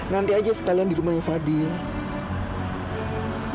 nanti aja sekalian di rumahnya fadil